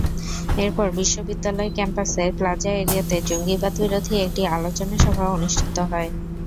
এরপর বিশ্ববিদ্যালয় ক্যাম্পাসের প্লাজা এরিয়াতে জঙ্গিবাদবিরোধী একটি আলোচনা সভা অনুষ্ঠিত হয়।